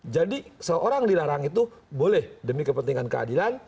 jadi seorang dilarang itu boleh demi kepentingan keadilan